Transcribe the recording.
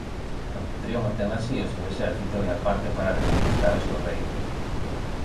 Anfitrión obtén así o seu exército e parte para reconquistar o seu reino.